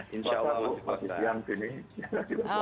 insya allah masih puasa